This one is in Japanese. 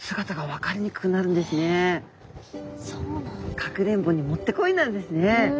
かくれんぼにもってこいなんですね。